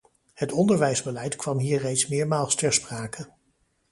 Het onderwijsbeleid kwam hier reeds meermaals ter sprake.